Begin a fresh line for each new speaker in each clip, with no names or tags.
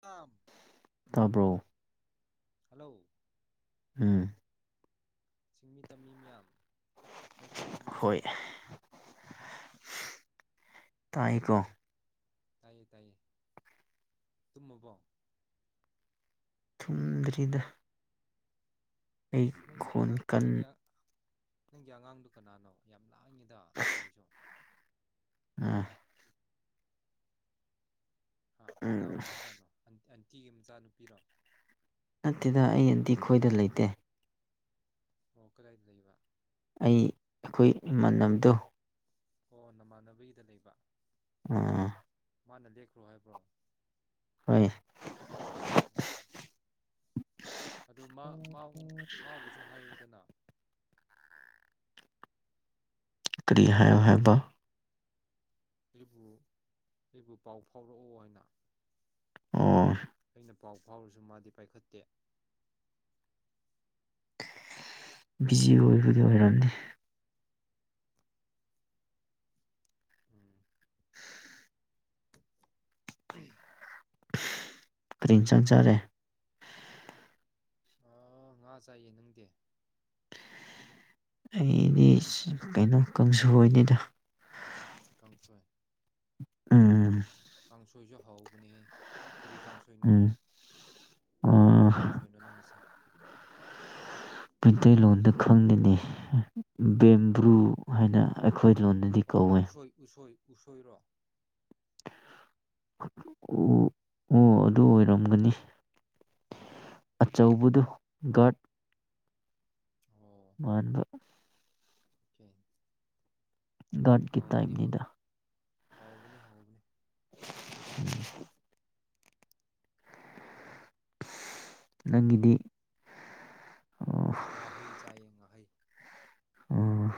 ꯌꯥꯝ
ꯇꯥꯕ꯭ꯔꯣ
ꯍꯜꯂꯣ
ꯎꯝ
ꯆꯤꯡꯃꯤ ꯇꯝꯃꯤ ꯃꯌꯥꯝ ꯋꯦꯜꯀꯝ ꯇꯨ ꯃꯥꯏ
ꯍꯣꯏ
ꯆꯦꯅꯥ
ꯇꯥꯏꯀꯣ
ꯇꯥꯏꯌꯦ ꯇꯥꯏꯌꯦ ꯇꯨꯝꯃꯨꯕꯣ
ꯊꯨꯝꯗ꯭ꯔꯤꯗ ꯑꯩ
ꯑꯁ ꯅꯪꯒꯤ
ꯈꯣꯟ
ꯑꯉꯥꯡ
ꯀꯟ
ꯅꯪꯒꯤ ꯅꯪꯒꯤ ꯑꯉꯥꯡꯗꯨ ꯀꯅꯥꯅꯣ ꯌꯥꯝ ꯂꯥꯛꯉꯤꯗ ꯉꯁꯥꯏꯁꯨ
ꯑ
ꯀꯅꯥ
ꯎꯝ
ꯑꯣꯏꯕꯖꯥꯠꯅꯣ ꯑꯦꯟꯇꯤꯒꯤ ꯃꯆꯥꯅꯨꯄꯤꯔꯣ
ꯅꯠꯇꯦꯗ ꯑꯩ ꯑꯗꯨꯗꯤ ꯈꯣꯏꯗ ꯂꯩꯇꯦ
ꯃꯈꯔ ꯍꯥꯏꯗꯗꯩꯕ
ꯑꯩ ꯑꯩꯈꯣꯏ ꯏꯃꯥꯟꯅꯕꯗꯣ
ꯑꯣ ꯅꯃꯥꯟꯅꯕꯒꯤꯗ ꯂꯩꯕ
ꯑ
ꯃꯥꯅ ꯂꯦꯛꯈ꯭ꯔꯣ ꯍꯥꯏꯕ꯭ꯔꯣ
ꯍꯣꯏ
ꯑꯗꯨ ꯃꯥꯕꯨꯁꯨ ꯍꯥꯏꯌꯨꯗꯅ
ꯀꯔꯤ ꯍꯥꯏꯌꯣ ꯍꯥꯏꯕ
ꯑꯩꯕꯨ ꯑꯩꯕꯨ ꯄꯥꯎ ꯐꯥꯎꯔꯛꯑꯣ ꯍꯥꯏꯅ ꯍꯥꯎ
ꯑꯣ
ꯑꯩꯩꯅ ꯄꯥꯎ ꯐꯥꯎꯔꯁꯨ ꯃꯥꯗꯤ ꯄꯥꯏꯈꯠꯇꯦ
ꯕꯤꯖꯤꯤ ꯑꯣꯏꯣꯏꯕꯨ ꯍꯦꯔꯅꯤꯅꯤ
ꯎꯝ
ꯀꯔꯤꯡ ꯆꯪꯖꯔꯦ
ꯑ ꯉꯥ ꯆꯥꯏꯌꯦ ꯅꯪꯗꯤ
ꯑꯩꯗꯤ ꯀꯩꯅꯣ ꯀꯥꯡꯁꯅꯤꯗ ꯎꯝ
[unintelligible] ꯁꯣꯏꯁꯨ ꯍꯕꯅꯦ ꯀꯔꯤ ꯀꯥꯡꯁꯣꯏꯅꯣ
ꯎꯝ ꯑꯥ
ꯀꯔꯝꯕ ꯀꯥꯡꯁꯣꯏꯅꯣ ꯅꯪꯒꯤꯁꯦ
ꯃꯩꯇꯩꯂꯣꯟꯗ ꯈꯪꯅꯤꯡꯅꯤ ꯕꯦꯝꯕ꯭ꯔꯨ ꯍꯥꯏꯅ ꯑꯩꯈꯣꯏ ꯂꯣꯟꯗꯗꯤ ꯀꯧꯋꯦ
ꯎꯨꯁꯣꯏꯔꯣ
ꯑꯣ ꯑꯣ ꯑꯗꯨ ꯑꯣꯏꯔꯝꯒꯅꯤ
ꯑꯣ
ꯇꯧꯕꯗꯨ ꯒꯥꯔꯗ ꯃꯥꯟꯕ
ꯀ
ꯥꯗꯒꯤ ꯇꯥꯏꯝꯅꯤꯗꯥ
ꯍꯥꯎꯕꯅꯤ ꯍꯥꯎꯕꯅꯦ
[unintelligible] ꯅꯪꯒꯤꯗꯤ ꯑꯣ
ꯉꯥꯍꯩ ꯆꯥꯏꯌꯦ ꯉꯥꯍꯩ
ꯑꯣ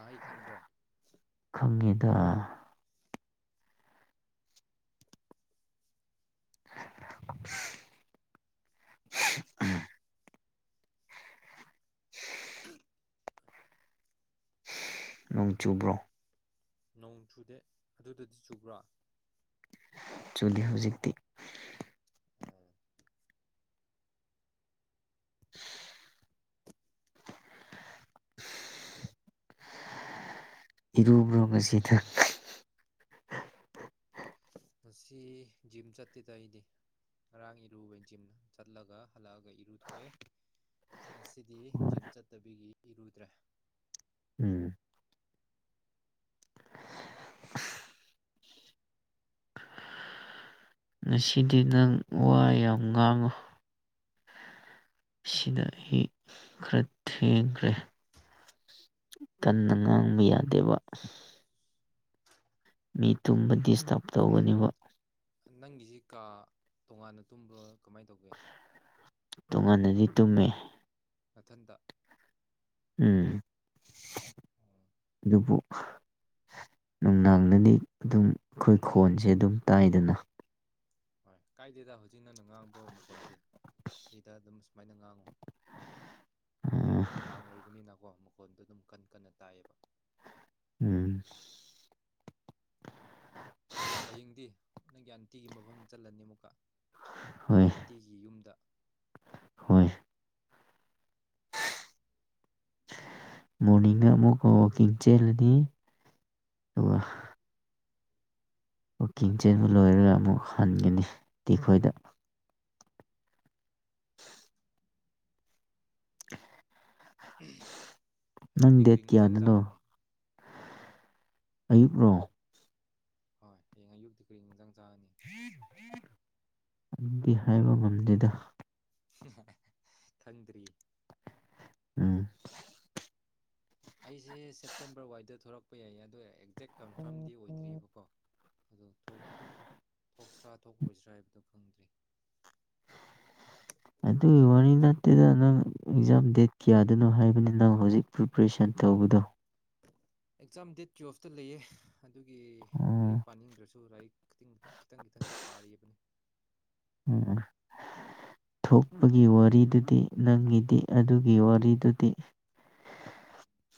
ꯑꯍꯩ ꯈꯪꯕ꯭ꯔꯣ
ꯈꯪꯉꯤꯗ ꯎꯝ [unintelligible] ꯅꯣꯡ ꯆꯨꯕ꯭ꯔꯣ
ꯅꯣꯡ ꯆꯨꯗꯦ ꯑꯗꯨꯗꯗꯤ ꯆꯨꯕ꯭ꯔꯥ
ꯆꯨꯜꯂꯤ ꯍꯧꯖꯤꯛꯇꯤ
ꯑꯣ
[unintelligible] ꯏꯔꯨꯕ꯭ꯔꯣꯕꯁꯤ ꯊꯛ
ꯉꯁꯤ ꯖꯤꯝ ꯆꯠꯇꯦꯗ ꯑꯩꯗꯤ ꯉꯔꯥꯡ ꯏꯔꯨꯕ ꯖꯤꯝ ꯆꯠꯂꯒ ꯍꯜꯂꯛꯑꯒ ꯏꯔꯨꯊꯣꯛꯑꯦ ꯉꯁꯤꯗꯤ ꯖꯤꯝ ꯆꯠꯇꯕꯤꯒꯤ ꯏꯔꯨꯗ꯭ꯔꯦ
ꯎꯝ ꯉꯁꯤꯗꯤ ꯅꯪ ꯋꯥ ꯌꯥꯝ ꯉꯥꯡꯉꯨ ꯁꯤꯅ ꯍꯤ ꯈꯔ ꯊꯦꯡꯈ꯭ꯔꯦ ꯀꯟꯅ ꯉꯥꯡꯕ ꯌꯥꯗꯦꯕ ꯃꯤ ꯇꯨꯝꯕ ꯗꯤꯁꯇꯔꯕ ꯇꯧꯒꯅꯦꯕ
ꯅꯪꯒꯤꯁꯤ ꯀꯥ ꯇꯣꯉꯥꯟꯅ ꯇꯨꯝꯕ꯭ꯔꯣ ꯀꯃꯥꯏꯅ ꯇꯧꯒꯦ
ꯇꯨꯡꯉꯥꯟꯟꯅꯗꯤ ꯇꯨꯝꯃꯤ
ꯃꯊꯟꯇ
ꯎꯝ ꯑꯗꯨꯕꯨ ꯅꯨꯡꯗꯥꯡꯅꯗꯤ ꯑꯗꯨꯝ ꯑꯩꯈꯣꯏ ꯈꯣꯟꯁꯦ ꯑꯗꯨꯝ ꯇꯥꯏꯗꯅ
ꯍꯣꯏ ꯀꯥꯏꯗꯦꯗ ꯍꯧꯣꯖꯤꯅ ꯑ ꯉꯥꯡꯕ ꯃꯈꯣꯟꯁꯦ ꯁꯤꯗ ꯑꯗꯨꯝ ꯁꯨꯃꯥꯏꯅ ꯉꯥꯡꯉꯨ
ꯎꯝ
ꯅꯨꯡꯗꯥꯡ ꯑꯣꯏꯕꯅꯤꯅ ꯃꯈꯣꯣꯟꯗꯣ ꯑꯗꯨꯝ ꯀꯟ ꯀꯟꯅ ꯇꯥꯏꯌꯦꯕ
ꯎꯝ
ꯍꯌꯦꯡꯗꯤ ꯅꯪꯒꯤ ꯑꯟꯇꯤꯒꯤ ꯃꯐꯝ ꯆꯠꯂꯅꯤ ꯑꯃꯨꯛꯀ
ꯍꯣꯏ
ꯅꯣꯏ ꯑꯟꯇꯤꯒꯤ ꯌꯨꯝꯗ
ꯍꯣꯏ ꯃꯣꯔꯅꯤꯡꯒ ꯑꯃꯨꯛ ꯋꯥꯛꯀꯤꯡ ꯆꯦꯜꯂꯅꯤ ꯑꯗꯨꯒ ꯀꯋꯛꯀꯤꯡ ꯆꯦꯟꯕ ꯂꯣꯏꯔꯒ ꯑꯃꯨꯛ ꯍꯟꯒꯅꯤꯤ ꯑꯩꯈꯣꯏꯗ ꯅꯪ
ꯍꯌꯦꯡꯗꯤ
ꯗꯦꯠ
ꯀꯔꯤ ꯏꯟꯖꯥꯡ
ꯀꯌꯥꯗꯅꯣ
ꯆꯥꯒꯅꯤ
ꯑꯌꯨꯛꯣ
ꯍꯣꯏ ꯍꯌꯦꯡ ꯑꯌꯨꯛꯇꯤ ꯀꯔꯤ ꯥꯡ ꯆꯦ
ꯗꯤ ꯍꯥꯏꯕ ꯉꯝꯗꯦꯗ
ꯊꯟꯔꯤ
ꯎꯝ
ꯑꯩꯁꯦ ꯁꯦꯞꯇꯦꯝꯕꯔ ꯋꯥꯏꯗ ꯊꯣꯛꯂꯛ ꯊꯣꯛꯄ ꯌꯥꯏ ꯑꯗꯣ ꯑꯦꯛꯖꯦꯛ ꯀꯝꯐꯝꯗꯤ ꯑꯣꯏꯗ꯭ꯔꯤꯑꯕꯀꯣ ꯑꯗꯨ ꯊꯣꯛꯁ꯭ꯔꯥ ꯊꯣꯛꯂꯣꯏꯁ꯭ꯔꯥ ꯍꯥꯏꯕꯗꯣ ꯈꯪꯗ꯭ꯔꯤ
ꯑꯗꯨꯒꯤ ꯋꯥꯔꯤ ꯅꯠꯇꯦꯗ ꯅꯪ ꯑꯦꯛꯖꯥꯝ ꯗꯦꯠ ꯀꯌꯥꯗꯅꯣ ꯍꯥꯏꯕꯅꯤ ꯅꯪ ꯍꯧꯖꯤꯛ ꯄ꯭ꯔꯤꯄꯔꯦꯁꯟ ꯇꯧꯕꯗꯣ
ꯑꯦꯛꯖꯥꯝ ꯗꯦꯠ ꯇꯨꯌꯦꯜꯐꯇ ꯂꯩꯌꯦ ꯑꯗꯨꯒꯤ ꯂꯥꯏꯔꯤꯛ
ꯑꯣ
ꯄꯥꯅꯤꯡꯗ꯭ꯔꯁꯨ ꯂꯥꯏꯔꯤꯛ ꯈꯤꯇꯪ ꯈꯤꯇꯪ ꯈꯤꯇꯪꯗꯤ ꯄꯥꯔꯤꯕꯅꯤ
ꯎ ꯊꯣꯛꯄꯒꯤ ꯋꯥꯔꯤꯗꯨꯗꯤ ꯅꯪꯒꯤꯗꯤ ꯑꯗꯨꯒꯤ ꯋꯥꯔꯤꯗꯨꯗꯤ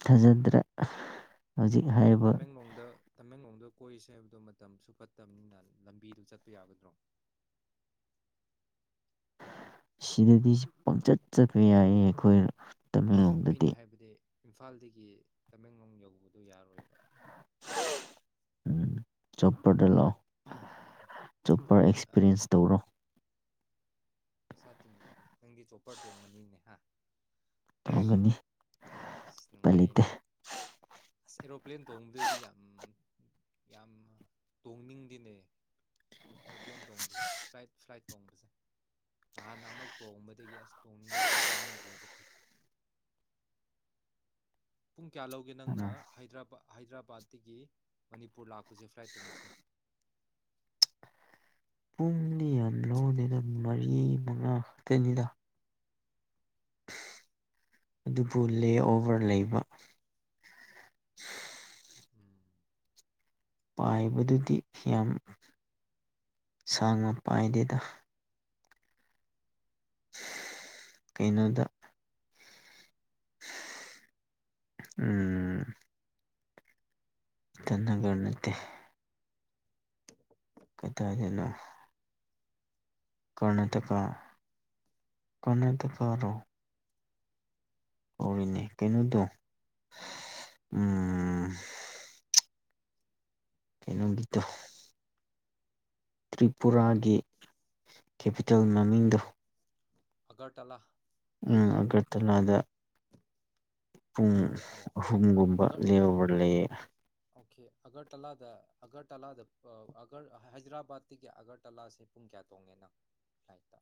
ꯊꯥꯖꯗ꯭ꯔꯥ
ꯅꯪꯅ ꯇꯃꯦꯡꯂꯣꯡꯗ ꯇꯃꯦꯡꯂꯣꯡꯗ ꯀꯣꯏꯔꯤꯁꯦ ꯍꯥꯏꯕ ꯑꯗꯨ ꯃꯇꯝꯁꯨ ꯐꯠꯇꯕꯅꯤꯅ ꯂꯝꯕꯤꯗꯨ ꯆꯠꯄ ꯌꯥꯒꯗ꯭ꯔꯣ
ꯁꯤꯗꯗꯤ ꯄꯪꯆꯠ ꯆꯠꯄ ꯌꯥꯏꯌꯦ ꯑꯩꯈꯣꯏ ꯇꯃꯦꯡꯂꯣꯡꯗꯗꯤ
ꯑꯩꯅ ꯍꯥꯏꯕꯗꯤ ꯏꯝꯐꯥꯜꯗꯒꯤ ꯇꯃꯦꯡꯂꯣꯡ ꯌꯧꯕꯗꯣ ꯌꯥꯔꯣꯏꯕ
ꯎꯝ ꯆꯣꯄꯇꯂꯣ ꯆꯣꯄꯔ ꯑꯦꯛꯁꯄꯤꯔꯤꯌꯦꯟꯁ ꯇꯧꯔꯣ
ꯁꯥꯇꯗ ꯈꯤꯇꯪꯒꯤ ꯆꯣꯞꯄꯔ ꯇꯣꯡꯉꯅꯤꯅꯦ ꯍꯥꯏ
ꯇꯧꯒꯅꯤ
ꯑꯁ
ꯎꯄꯥꯏ ꯂꯩꯇꯦ
ꯅꯨꯡꯉꯥꯏꯅꯦ ꯑꯁ ꯑꯦꯔꯣꯄ꯭ꯂꯦꯟ ꯇꯣꯡꯕꯗꯩꯗꯤ ꯌꯥꯝ ꯌꯥꯝ ꯇꯣꯡꯅꯤꯡꯗꯤꯅꯦ ꯑꯦꯔꯣꯄ꯭ꯂꯦꯟ ꯇꯣꯡꯕꯁꯦ ꯐ꯭ꯂꯥꯏꯠ ꯐ꯭ꯂꯥꯏꯠ ꯇꯣꯡꯕꯁꯦ ꯍꯍꯥꯟꯅ ꯑꯃꯂꯛ ꯇꯣꯡꯕꯗꯒꯤ ꯑꯁ ꯇꯣꯡꯅꯤꯡ ꯇꯣꯡꯅꯤꯡꯗ꯭ꯔꯦ ꯍꯧꯖꯤꯛꯇꯤ
ꯍ
ꯄꯨꯡ ꯀꯌꯥ ꯂꯧꯒꯦ ꯅꯪꯅ
ꯑꯗꯣ
ꯍꯥꯏꯗ꯭ꯔꯕꯥꯗ ꯍꯥꯏꯗ꯭ꯔꯕꯥꯠꯇꯒꯤ ꯃꯅꯤꯄꯨꯔ ꯂꯥꯛꯄꯁꯦ ꯐ꯭ꯂꯥꯏꯠ ꯇꯣꯡꯕꯁꯦ
ꯎꯝ ꯑ ꯌꯥ ꯂꯧꯥꯎꯗꯅ ꯃꯔꯤ ꯑꯉ ꯇꯅꯤꯗ ꯑꯗꯨꯕꯨ ꯂꯦꯑꯣꯚꯔ ꯂꯩꯕ
ꯎꯝ
ꯄꯥꯏꯕꯗꯨꯗꯤ ꯌꯥꯝ ꯁꯥꯡꯅ ꯄꯥꯏꯗꯦꯗ ꯀꯩꯅꯣꯗ ꯎꯝ ꯇꯟꯅꯒꯔ ꯅꯠꯇ
ꯀꯔꯤ ꯍꯥꯏꯕ
ꯀꯗꯥꯥꯏꯗꯅꯣ ꯀꯔꯅꯥꯇꯀ ꯀꯔꯅꯥꯇꯀꯣ ꯑꯣꯏꯔꯤꯅꯦ ꯀꯩꯅꯣꯗꯣ ꯎꯝ ꯀꯩꯅꯣꯒꯤꯗꯣ ꯇ꯭ꯔꯤꯄꯨꯔꯥꯒꯤ ꯀꯦꯄꯤꯇꯦꯜ ꯃꯃꯤꯡꯗꯣ
ꯑꯒꯔ ꯇꯂꯥ
ꯎꯝ ꯑꯒ꯭ꯔꯇꯂꯥꯗ ꯄꯨꯡ
ꯑꯣ
ꯑꯍꯨꯝꯒꯨꯝꯕ
ꯑꯒꯔ
ꯂꯦꯕ ꯂꯩꯌꯦ
ꯑꯣꯀꯦ ꯑꯒꯔꯇꯂꯥꯗ ꯑꯒꯔꯇꯂꯥꯗ ꯑꯒ ꯍꯥꯏꯗ꯭ꯔꯕꯥꯠꯇꯒꯤ ꯑꯒꯔꯇꯂꯥꯁꯦ ꯄꯨꯡ ꯀꯌꯥ ꯇꯣꯡꯉꯦꯅꯣ ꯐ꯭ꯂꯥꯏꯠꯇ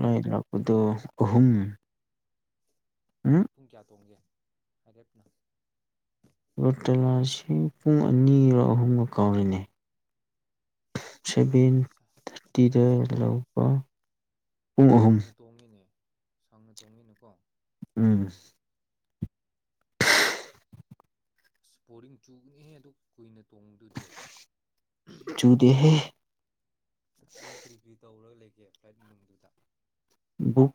ꯂꯗꯄꯗ ꯑꯍꯨꯝ ꯎ
ꯄꯨꯡ ꯀꯌꯥ ꯇꯣꯡꯒꯦ ꯔꯔꯦꯞꯅ
ꯕꯇꯂꯥ ꯑꯁꯤ ꯄꯨꯡ ꯑꯅꯤꯒꯣ ꯑꯍꯨꯝꯒ ꯀꯥꯎꯔꯤꯅꯤ
ꯑꯁ
ꯁꯕꯦꯟ ꯊꯔꯇꯤ ꯔ ꯂꯧꯕ ꯄꯨꯡ ꯑꯍꯨꯝ
ꯁꯥꯎꯅ ꯇꯣꯡꯉꯤꯅꯦ ꯁꯥꯡꯅ ꯇꯣꯡꯉꯤꯅꯀꯣ
ꯎꯝ
ꯏꯁꯄꯣꯔꯔꯤꯡ ꯆꯨꯒꯅꯤꯍꯦ ꯑꯗꯨ ꯀꯨꯏꯅ ꯇꯣꯡꯗꯨꯗꯤ
ꯆꯨꯗꯦꯍꯦ
ꯅꯪ ꯀꯔꯤ ꯀꯨꯔꯤ ꯇꯧꯔꯒ ꯂꯩ ꯐ꯭ꯂꯥꯏꯠ ꯅꯨꯡꯗꯨꯗ
ꯕꯨꯛ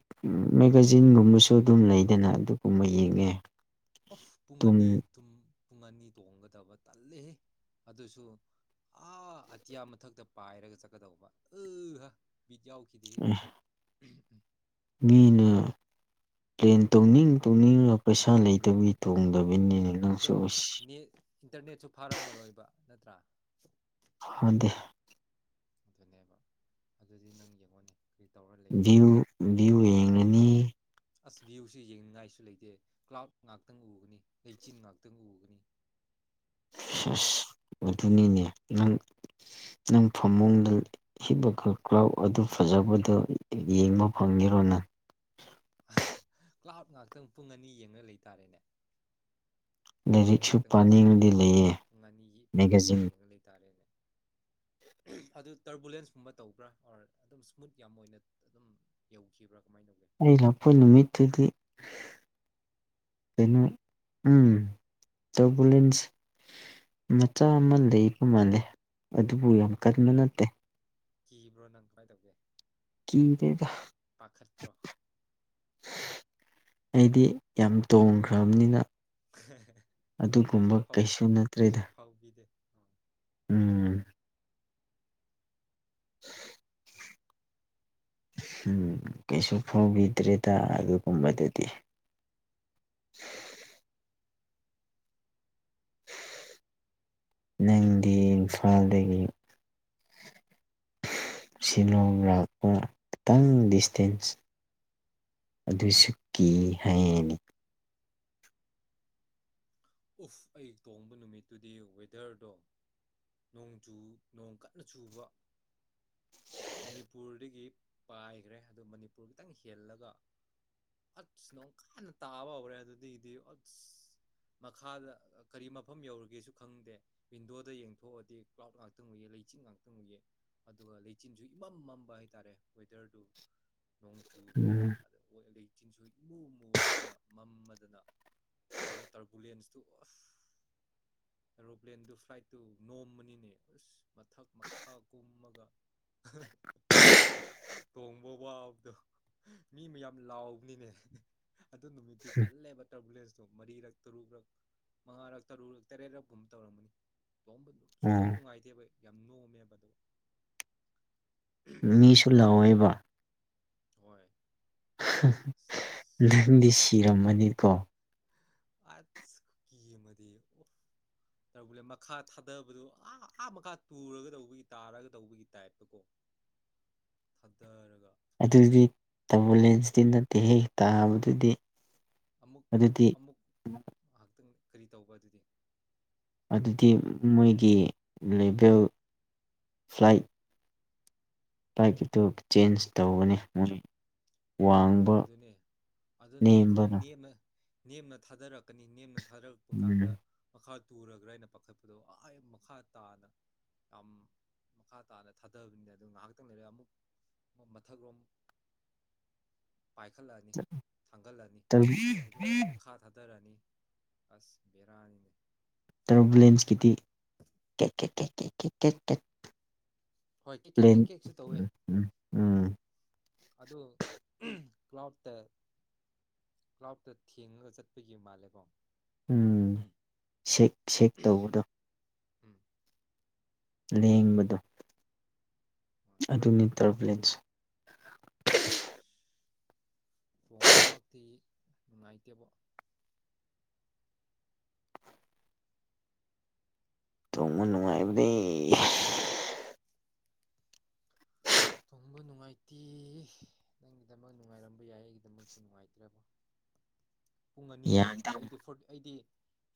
ꯃꯦꯒꯥꯖꯤꯟꯒꯨꯝꯕꯁꯨ
ꯎꯝ
ꯑꯗꯨꯝ ꯂꯩꯗꯅ ꯑꯗꯨꯒꯨꯝꯕ ꯌꯦꯡꯉꯦ
ꯑꯣꯐ ꯄꯨꯡ ꯑꯅꯤ
ꯑꯗꯨꯝ
ꯇꯨꯝ ꯄꯨꯡ ꯑꯅꯤ ꯇꯣꯡꯒꯗꯕ ꯇꯜꯂꯦꯍꯦ ꯑꯗꯨꯁꯨ ꯑꯥ ꯑꯇꯤꯌꯥ ꯃꯊꯛꯇ ꯄꯥꯏꯔꯒ ꯆꯠꯀꯗꯧꯕ ꯑ ꯍ ꯕꯤꯠ ꯌꯥꯎꯈꯤꯗꯦ
ꯃꯤꯅ ꯄ꯭ꯂꯦꯟ ꯇꯧꯅꯤꯡ ꯇꯧꯅꯤꯡꯉꯕ ꯄꯩꯁꯥ ꯂꯩꯇꯕꯤꯒꯤ ꯇꯣꯡꯗꯕ
ꯑꯗꯣ ꯅ ꯏꯟꯇꯔꯅꯦꯠꯁꯨ ꯐꯥꯔꯝꯃꯔꯣꯏꯕ ꯅꯠꯇ꯭ꯔꯥ
ꯑꯗ
ꯑꯗꯨꯅꯦꯕ ꯑꯗꯨꯗꯤ ꯅꯪ ꯌꯦꯡꯉꯣꯅꯦ ꯀꯔꯤ ꯇꯧꯔ ꯂꯩꯅꯤ
ꯚ꯭ꯌꯨ ꯚ꯭ꯌꯨ ꯌꯦꯡꯂꯡꯅꯤ
ꯑꯁ ꯚ꯭ꯌꯨꯁꯦ ꯌꯦꯡꯅꯤꯡꯉꯥꯏꯁꯨ ꯂꯩꯇꯦ ꯀ꯭ꯂꯥꯎꯠ ꯉꯥꯛꯇꯪ ꯎꯒꯅꯤ ꯂꯩꯆꯤꯟ ꯉꯥꯛꯇꯪ ꯎꯒꯅꯤ
ꯑꯁ ꯑꯗꯨꯅꯤꯅꯦ ꯅꯪ ꯅꯪ ꯐꯃꯨꯡꯗ ꯍꯤꯕꯒ ꯀ꯭ꯔꯥꯎ ꯑꯗꯨ ꯐꯖꯕꯗꯣ ꯌꯦꯡꯕ ꯐꯪꯉꯔꯣ ꯅꯪ
ꯀ꯭ꯂꯥꯕ ꯉꯥꯛꯇꯪ ꯄꯨꯡ ꯑꯅꯤ ꯌꯦꯡꯅ ꯂꯩꯇꯥꯔꯦꯅꯦ ꯂꯩꯆꯤꯟ
ꯂꯥꯏꯔꯤꯛꯁꯨ
ꯉꯥꯛꯇꯪ ꯄꯨꯡ ꯑꯅꯤ
ꯄꯥꯅꯤꯡꯕꯗꯤ ꯂꯩꯌꯦ
ꯄꯨꯡ ꯑꯅꯤꯒꯤ ꯄꯨꯡ ꯑꯅꯤ
ꯃꯦꯒꯥꯖꯤꯟ
ꯌꯦꯡꯉ ꯂꯩꯇꯥꯔꯦꯅꯦ ꯑꯗꯨ ꯇꯔꯕꯨꯂꯦꯟꯁꯀꯨꯝꯕ ꯇꯧꯕ꯭ꯔꯥ ꯑꯣꯔ ꯑꯗꯨꯝ ꯏꯁꯃꯨꯠ ꯌꯥꯝ ꯑꯣꯏꯅ ꯑꯗꯨꯝ ꯌꯧꯈꯤꯕ꯭ꯔꯥ ꯀꯃꯥꯏꯅ ꯇ
ꯑꯩ ꯂꯥꯛꯄ ꯅꯨꯃꯤꯠꯇꯗꯤ ꯀꯩꯅꯣ ꯎ ꯑꯕꯨꯂꯦꯟꯁ ꯃꯆꯥ ꯑꯃ ꯂꯩꯕ ꯃꯥꯜꯂꯦ ꯑꯗꯨꯕꯨ ꯌꯥꯝ
ꯑꯣ
ꯀꯟꯕ ꯅꯠꯇꯦ
ꯀꯤꯕ꯭ꯔꯣ ꯅꯪ ꯀꯃꯥꯏ ꯇꯧꯒꯦ
ꯀ ꯔꯦꯒ
ꯄꯥꯈꯠꯄ꯭ꯔꯣ
ꯑꯩꯗꯤ ꯌꯥꯝ ꯇꯣꯡꯈ꯭ꯔꯕꯅꯤꯅ
ꯀꯩꯁꯨ
ꯑꯗꯨꯒꯨꯝꯕ
ꯐꯥꯎ ꯀꯩꯁꯨ
ꯅꯠꯇ꯭ꯔꯦꯗ
ꯐꯥꯎꯕꯤꯗꯦ ꯑꯣ
ꯎꯝ [unintelligible] ꯎꯝ ꯀꯩꯁꯨ ꯐꯥꯎꯕꯤꯗ꯭ꯔꯦꯗ ꯑꯗꯨꯒꯨꯝꯕꯗꯨꯗꯤ ꯅꯪꯗꯤ ꯏꯝꯐꯥꯜꯗꯒꯤ ꯁꯤꯂꯣꯡꯒ꯭ꯔꯥꯛꯄ ꯈꯤꯇꯪ ꯗꯤꯁꯇꯦꯟꯁ ꯑꯗꯨꯁꯨ ꯀꯤ ꯍꯥꯏꯅꯤ
ꯎꯐ ꯑꯩ ꯇꯣꯡꯕ ꯅꯨꯃꯤꯠꯇꯨꯗꯤ ꯋꯦꯗꯔꯗꯣ ꯅꯣꯡꯖꯨ ꯅꯣꯡ ꯀꯟꯅ ꯆꯨꯕ ꯃꯅꯤꯄꯨꯔꯗꯒꯤ ꯄꯥꯏꯈ꯭ꯔꯦ ꯑꯗꯨ ꯃꯅꯤꯄꯨꯔ ꯈꯤꯇꯪ ꯍꯦꯜꯂꯒ ꯑꯁ ꯅꯣꯡ ꯀꯥꯏꯟꯅ ꯇꯥꯕ ꯍꯧꯔꯦ ꯑꯗꯨꯗꯒꯤꯗꯤ ꯑꯁ ꯃꯈꯥꯗ ꯀꯔꯤ ꯃꯐꯝ ꯌꯧꯔꯒꯦꯁꯨ ꯈꯪꯗꯦ ꯋꯤꯟꯗꯣꯗ ꯌꯦꯡꯊꯣꯛꯑꯗꯤ ꯀ꯭ꯂꯥꯎꯠ ꯉꯥꯛꯇꯪ ꯎꯨꯏ ꯂꯩꯆꯤꯟ ꯉꯥꯛꯇꯪ ꯑꯣꯏꯏꯌꯦ ꯑꯗꯨꯒ ꯂꯩꯆꯤꯟꯁꯨ ꯏꯃꯝꯃꯝꯕ ꯍꯥꯏꯇꯥꯔꯦ ꯋꯦꯗꯔꯗꯨ ꯅꯣꯡ ꯆꯨꯕꯅꯤꯅ
ꯎꯝ
ꯑ ꯆꯤꯡꯁꯨꯣꯏ ꯏꯃꯨ ꯃꯨꯔꯗꯅ ꯃꯝꯃꯗꯅ ꯑꯗꯨꯗ ꯇꯔꯕꯨꯂꯦꯟꯁꯇꯨꯁ ꯑꯦꯔꯣꯄ꯭ꯂꯦꯟꯗꯨ ꯐ꯭ꯂꯥꯏꯠꯇꯨ ꯅꯣꯝꯕꯅꯤꯅꯦ ꯎꯁ ꯃꯊꯛ ꯃꯈꯥ ꯀꯨꯝꯃꯒ ꯇꯣꯡꯕ ꯋꯥꯕꯗꯣ ꯃꯤ ꯃꯌꯥꯝ ꯂꯥꯎꯕꯅꯤꯅꯦ ꯑꯗꯨ ꯅꯨꯃꯤꯠꯇꯤ ꯀꯜꯂꯦꯕ ꯇꯔꯕꯨꯂꯦꯟꯁꯇꯣ ꯃꯔꯤꯔꯛ ꯇꯔꯨꯛꯛ ꯃꯉꯥꯔꯛ ꯇꯔꯨꯔꯛ ꯇꯔꯦꯠꯔꯛ ꯐꯨꯝꯕ ꯇꯧꯔꯝꯒꯅꯤ ꯑꯣꯝꯕ ꯁꯨꯅ
ꯑꯥ
ꯅꯨꯡꯉꯥꯏꯇꯦꯕ ꯑꯩ ꯌꯥꯝꯅ ꯑꯣꯃꯦꯗꯨ
ꯃꯤꯁꯨ ꯂꯥꯎꯋꯦꯕ
ꯍꯣꯏ ꯑꯁ
ꯅꯪꯗꯤ
ꯑꯗꯨꯒ
ꯁꯤꯔꯝꯃꯅꯤꯀꯣ
ꯑꯁ ꯀꯀꯤ ꯑꯃꯗꯤ ꯇ ꯃꯈꯥ ꯊꯥꯗꯕꯗꯣ ꯑꯥ ꯑꯥ ꯃꯈꯥ ꯇꯨꯔꯒ ꯇꯧꯕꯒꯤ ꯇꯥꯔꯒ ꯇꯧꯕꯒꯤ ꯇꯥꯏꯞꯇ ꯀꯣ ꯊꯥꯗꯔꯒ
ꯑꯗꯨꯗꯤ
ꯑꯃꯨꯛ
ꯑꯦꯝꯕꯨꯂꯦꯟꯁꯇꯤ ꯅꯠꯇꯦ ꯍꯦꯛ ꯍ ꯇꯥꯕꯗꯤ ꯑꯗꯨꯗꯤ
ꯑꯃꯨꯛ ꯑꯃꯨꯛ ꯉꯥꯏꯍꯥꯛꯇꯪ ꯀꯔꯤ ꯇꯧꯕ ꯑꯗꯨꯗꯤ
ꯑꯗꯨꯗꯤ ꯃꯣꯏꯒꯤ ꯂꯕꯦꯜ ꯐ꯭ꯂꯥꯏꯠ ꯕꯥꯏꯛ ꯑꯗꯨ ꯆꯦꯟꯖ ꯇꯧꯕꯅꯦ ꯃꯣꯏ ꯋꯥꯡꯕ
ꯑꯗꯨꯅꯦ ꯑꯗꯨꯅꯦ ꯈꯤꯇꯪ
ꯅꯦꯝꯕꯅꯣ
ꯅꯦꯝꯅ ꯅꯦꯝꯅ ꯊꯥꯗꯔꯛꯀꯅꯤ ꯅꯦꯝꯅ ꯊꯥꯗꯔꯛꯄ ꯀꯥꯟꯗ
ꯎꯝ
ꯃꯈꯥ ꯇꯨꯔꯒ꯭ꯔꯥ ꯑꯩꯅ ꯄꯥꯈꯠꯄꯗꯣ ꯑ ꯃꯈꯥ ꯇꯥꯅ ꯌꯥꯝ ꯃꯈꯥ ꯇꯥꯅ ꯊꯥꯗꯕꯅꯤ ꯑꯗꯨ ꯉꯥꯏꯍꯥꯛꯇꯪ ꯂꯩꯔꯒꯦ ꯑꯃꯨꯛ ꯃꯊꯛꯂꯣꯝ ꯄꯥꯏꯈꯠꯂꯛꯑꯅꯤ ꯊꯥꯡꯒꯠꯂꯅꯤ ꯑꯗꯨꯗꯤ ꯑꯃꯨꯛ ꯃꯈꯥ ꯊꯥꯗꯔꯅꯤ ꯑꯁ ꯕꯤꯦꯔꯥꯟ
ꯇꯔꯣꯕꯨꯂꯦꯟꯁꯀꯤꯗꯤ ꯀ ꯀ ꯀ ꯀ ꯀ ꯀ ꯀ
ꯍꯣꯏ ꯀꯦꯛ ꯀꯦꯛ ꯀꯦꯛ ꯀꯦꯛꯁꯨ ꯇꯧꯋꯦ
ꯎꯝ ꯎꯝ
ꯑꯗꯨ ꯀ꯭ꯂꯥꯎꯠꯇ ꯀ꯭ꯂꯥꯎꯇ ꯊꯦꯡꯉꯒ ꯆꯠꯄꯒꯤ ꯃꯥꯜꯂꯦꯀꯣ
ꯎꯝ ꯁꯦꯛ ꯁꯦꯛ ꯇꯧꯕꯗꯣ
ꯎꯝ
ꯂꯦꯡꯕꯗꯣ
ꯍꯣꯏ
ꯑꯗꯨꯅꯤ ꯇꯔꯔꯕꯂꯤꯠꯁꯦ
ꯑꯁ ꯊꯣꯡꯕꯃꯛꯇꯤ ꯅꯨꯡꯉꯥꯏꯇꯦꯕ
ꯇꯣꯡꯉ ꯅꯨꯡꯉꯥꯏꯕꯗꯤ
ꯅꯪꯕꯨ ꯅꯨꯡꯉꯥꯏꯇꯦ ꯅꯪꯒꯤꯗꯃꯛ ꯅꯨꯡꯉꯥꯏꯔꯝꯕ ꯌꯥꯏ ꯑꯩꯒꯤꯗꯃꯛꯇꯤ ꯅꯨꯡꯉꯥꯏꯇ꯭ꯔꯕ ꯄꯨꯡ ꯑꯅꯤ ꯊꯣꯡꯕ
ꯌꯥꯏꯗ
ꯑꯩꯗꯤ ꯐ ꯑꯩꯗꯤ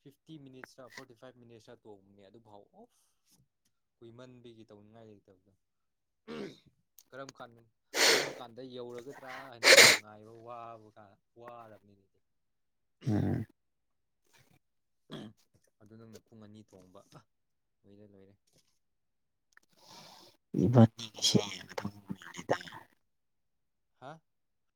ꯐꯤꯐꯇꯤ ꯃꯤꯅꯤꯠꯁꯇ ꯐꯣꯔꯇꯤ ꯐꯥꯏꯚ ꯃꯤꯅꯤꯠꯁꯇ ꯇꯣꯡꯕꯅꯦ ꯑꯗꯨꯐꯥꯎ ꯑꯣꯐ ꯑꯩꯈꯣꯏ ꯃꯟꯕꯒꯤ ꯇꯧꯅꯤꯡꯉꯥꯏ ꯂꯩꯇꯕꯗ ꯀꯔꯝ ꯀꯥꯟ ꯀꯔꯝ ꯀꯥꯟꯗ ꯌꯧꯔꯒꯗ꯭ꯔꯥ ꯍꯥꯏꯅ ꯉꯥꯏꯕ ꯋꯥꯕ ꯋꯥꯔꯕꯅꯤꯅꯗꯤ
ꯎꯝ
ꯑꯗꯨ ꯅꯪꯅ ꯄꯨꯡ ꯑꯅꯤ ꯊꯣꯡꯕ ꯂꯣꯏꯔꯦ ꯂꯣꯏꯔꯦ
ꯏꯕꯅꯤꯁꯦ ꯊ
ꯍꯥ